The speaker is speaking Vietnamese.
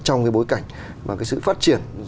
trong cái bối cảnh mà cái sự phát triển